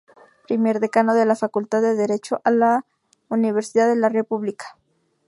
Primer Decano de la Facultad de Derecho de la Universidad de la República.